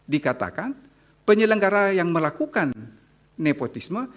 dikatakan penyelenggara yang melakukan nepotisme